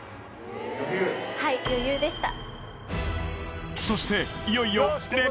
はい余裕でした